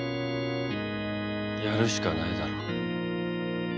やるしかないだろ。